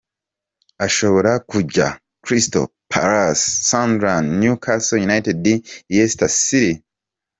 Ashobora kuja: Crystal Palace, Sunderland, Newcastle United, Leicester City.